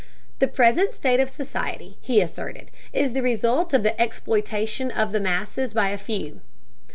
The present state of society, he asserted, is the result of the exploitation of the masses by a few.